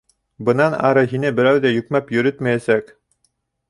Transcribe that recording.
Бынан ары һине берәү ҙә йөкмәп йөрөтмәйәсәк.